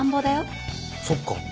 そっか。